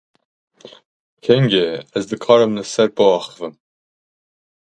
Kengê, ez dikarim li ser biaxivim ?